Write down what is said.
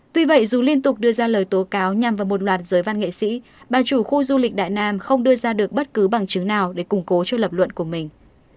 tuy vậy dù liên tục đưa ra lời tố cáo nhằm vào một loạt giới văn nghệ sĩ bà chủ khu du lịch đại nam không đưa ra được bất cứ bằng chứng nào để củng cố cho lập luận của mình